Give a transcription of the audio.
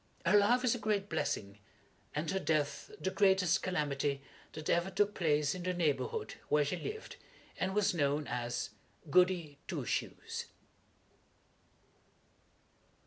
Her life was a great blessing, and her death the greatest calamity that ever took place in the neighborhood where she lived, and was known as GOODY TWO SHOES.